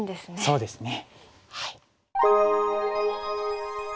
そうですね。